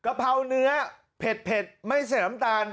กระเพราเนื้อเผ็ดไม่เสียสัมตาล